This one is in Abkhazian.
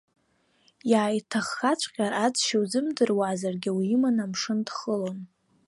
Иааиҭаххаҵәҟьар, аӡсашьа узымдыруазаргьы, уиманы амшын дхылон.